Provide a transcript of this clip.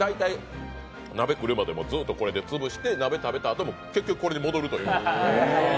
鍋来るまでずっとこれで潰して鍋食べたあとも結局これに戻るっていう。